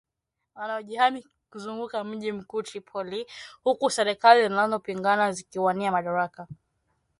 wanaojihami kuzunguka mji mkuu Tripoli huku serikali zinazopingana zikiwania madaraka